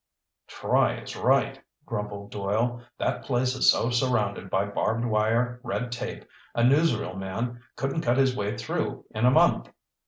"Try is right," grumbled Doyle. "That place is so surrounded by barbed wire red tape a newsreel man couldn't cut his way through in a month.